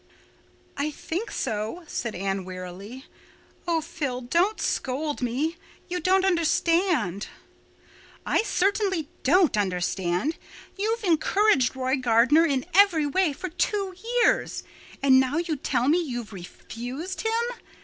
"I think so," said Anne wearily. "Oh, Phil, don't scold me. You don't understand." "I certainly don't understand. You've encouraged Roy Gardner in every way for two years—and now you tell me you've refused him.